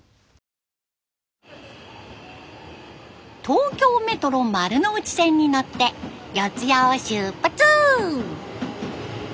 東京メトロ丸ノ内線に乗って四ツ谷を出発。